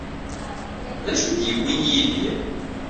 D acu i d-yewwin Yidir?